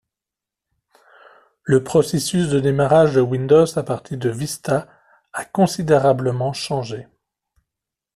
Le processus de démarrage de Windows à partir de Vista a considérablement changé.